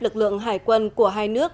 lực lượng hải quân của hai nước